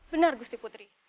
benar gusti putri